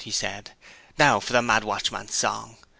he said "now for the mad watchman's song!"